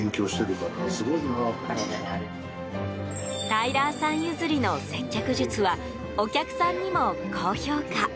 タイラーさん譲りの接客術はお客さんにも高評価。